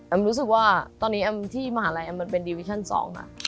รู้สึกว่าตอนนี้แอมที่มหาลัยแมมมันเป็นดิวิชั่น๒ค่ะ